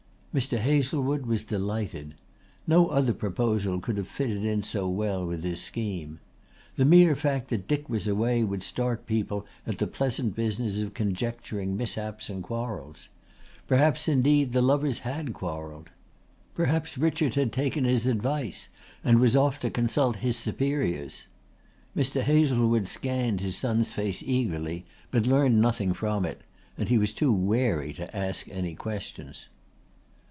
Mr. Hazlewood was delighted. No other proposal could have fitted in so well with his scheme. The mere fact that Dick was away would start people at the pleasant business of conjecturing mishaps and quarrels. Perhaps indeed the lovers had quarrelled. Perhaps Richard had taken his advice and was off to consult his superiors. Mr. Hazlewood scanned his son's face eagerly but learnt nothing from it; and he was too wary to ask any questions.